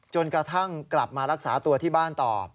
จนกระทั่งกลับมารักษาตัวที่บ้านต่อ